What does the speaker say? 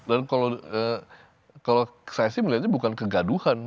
dan kalau saya sih melihatnya bukan kegaduhan